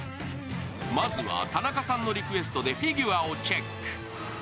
まずは田中さんのリクエストでフィギュアをチェック。